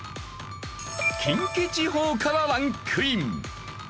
近畿地方からランクイン。